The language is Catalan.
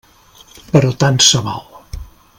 Però tant se val.